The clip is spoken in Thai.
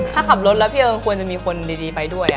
ถ้าขับรถแล้วพี่เอิญควรจะมีคนดีไปด้วย